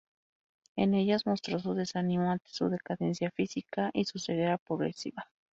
En ellas mostró su desánimo ante su decadencia física y su ceguera progresiva.